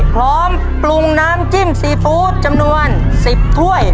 พร้อมปรุงน้ำจิ้มซีฟู้ดจำนวน๑๐ถ้วย